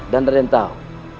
dan raden tahu